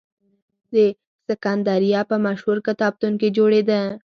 د سکندریه په مشهور کتابتون کې جوړېده.